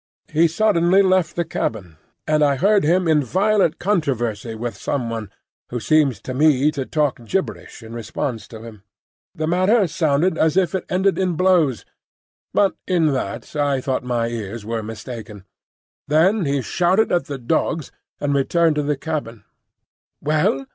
He suddenly left the cabin, and I heard him in violent controversy with some one, who seemed to me to talk gibberish in response to him. The matter sounded as though it ended in blows, but in that I thought my ears were mistaken. Then he shouted at the dogs, and returned to the cabin. "Well?"